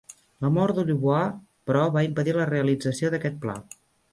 La mort de Louvois, però, va impedir la realització d'aquest pla.